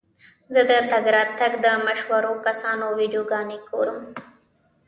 زه د ټک ټاک د مشهورو کسانو ویډیوګانې ګورم.